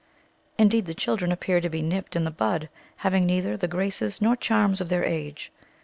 Indeed the children appear to be nipt in the bud, having neither the graces nor charms of their age.